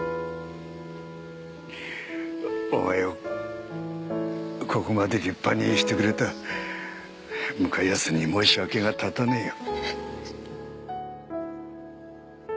お前をここまで立派にしてくれた向谷さんに申し訳が立たねえよ。